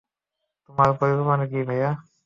তোমাদের পরিকল্পনা কী, ভায়া?